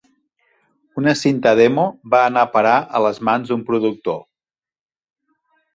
Una cinta demo va anar a parar a les mans d'un productor